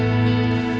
oke sampai jumpa